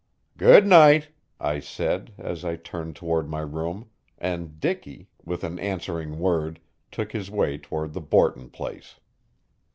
"Good night," I said, as I turned toward my room, and Dicky, with an answering word, took his way toward the Borton place.